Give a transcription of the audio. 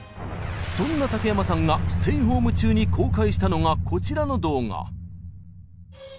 そんな竹山さんがステイホーム中に公開したのがこちらの動画。